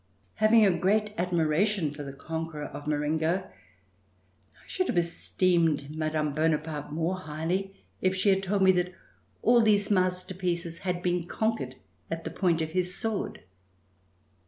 Having a great admiration for the conqueror of Marengo, I should have esteemed Mme. Bonaparte more highly if she had told me that all these masterpieces had been conquered at the point of his sword.